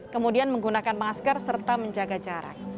kemudian menggunakan masker serta menjaga jarak